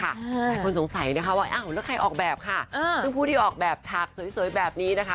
หลายคนสงสัยนะคะว่าอ้าวแล้วใครออกแบบค่ะซึ่งผู้ที่ออกแบบฉากสวยแบบนี้นะคะ